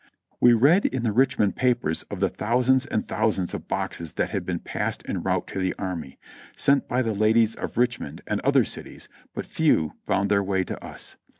We read in the Richmond papers of the thousands and thou sands of boxes that had been passed en route to the army, sent by the ladies of Richmond and other cities, but few found their way to us.